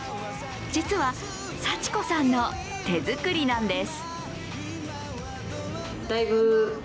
実は、祥子さんの手作りなんです。